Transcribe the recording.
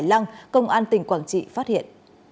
hải lăng công an tỉnh quảng trị phát hiện